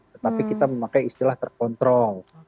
tetapi kita memakai istilah terkontrol